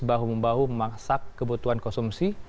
bahu membahu memaksak kebutuhan konsumsi